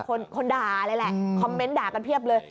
คนด่าเลยแหละคอมเมนต์ด่ากันเพียบเลย